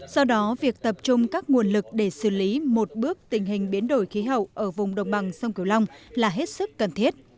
do đó việc tập trung các nguồn lực để xử lý một bước tình hình biến đổi khí hậu ở vùng đồng bằng sông cửu long là hết sức cần thiết